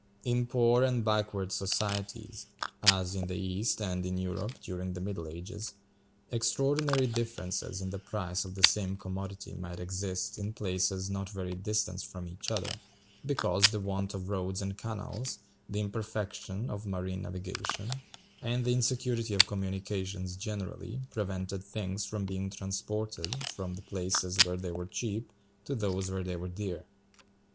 In poor and backward societies, as in the East, and in Europe during the middle ages, extraordinary differences in the price of the same commodity might exist in places not very distant from each other, because the want of roads and canals, the imperfection of marine navigation, and the insecurity of communications generally, prevented things from being transported from the places where they were cheap to those where they were dear.